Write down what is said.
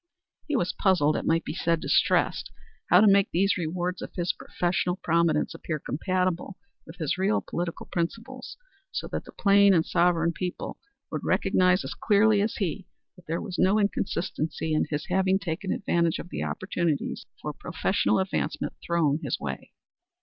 He was puzzled it might be said distressed how to make these rewards of his professional prominence appear compatible with his real political principles, so that the plain and sovereign people would recognize as clearly as he that there was no inconsistency in his having taken advantage of the opportunities for professional advancement thrown in his way.